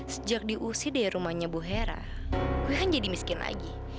sejak diusir dari rumahnya bu hera gue kan jadi miskin lagi